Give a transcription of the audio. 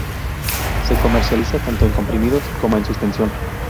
Se comercializa tanto en comprimidos como en suspensión.